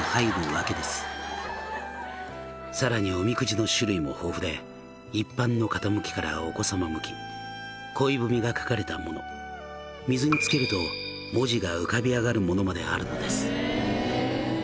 「さらにおみくじの種類も豊富で一般の方向きからお子さま向き恋文が書かれたもの水につけると文字が浮かび上がるものまであるのです」